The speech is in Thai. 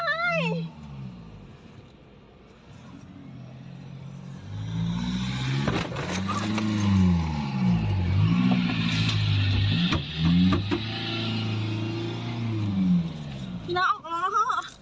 พี่น้องออกแล้วนะครับ